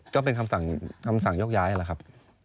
ก็เป็นคำสั่งยกย้ายแหละครับ